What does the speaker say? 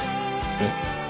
えっ？